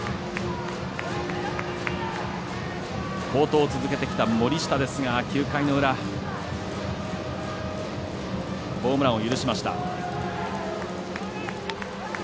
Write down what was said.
好投を続けてきた森下ですが９回の裏ホームランを許しました。